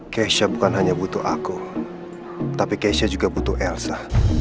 keisha bukan hanya butuh aku tapi keisha juga butuh elsa